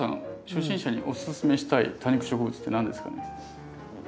初心者におススメしたい多肉植物って何ですかね？